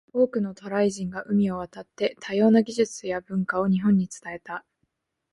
多くの渡来人が海を渡って、多様な技術や文化を日本に伝えた。